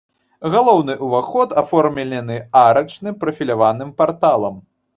Галоўны ўваход аформлены арачным прафіляваным парталам.